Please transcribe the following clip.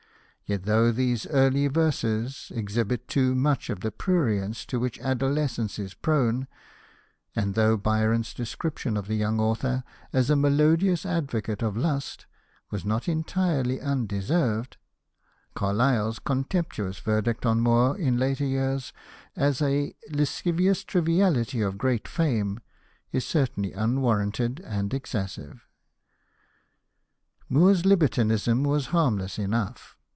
Yet though these early verses exhibit too much of the pruriency to which adolescence is prone, and though I^yron's description of the young author as a " melodious advocate of lust " was not entirely undeserved, Carlyle's con temptuous verdict on Moore in later years as " a lascivious triviahty of great fame " is certainly un warranted and excessive. Moore's libertinism was harmless enough.